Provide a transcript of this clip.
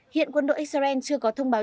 hiện quân đội israel chưa có thông báo